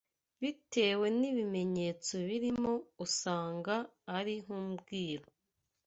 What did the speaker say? bitewe n’ibimenyetso birimo usanga ari nk’ubwiru